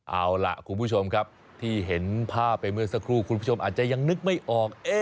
เอาล่ะคุณผู้ชมครับที่เห็นภาพไปเมื่อสักครู่คุณผู้ชมอาจจะยังนึกไม่ออก